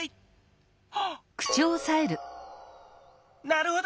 なるほど！